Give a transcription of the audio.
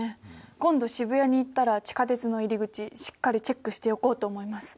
今度渋谷に行ったら地下鉄の入り口しっかりチェックしておこうと思います。